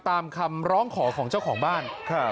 ตามคำร้องขอของเจ้าของบ้าน